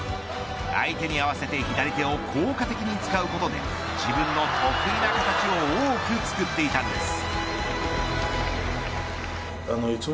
相手に合わせて左手を効果的に使うことで自分の得意な形を多く作っていたんです。